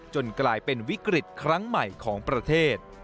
กลายเป็นวิกฤตครั้งใหม่ของประเทศ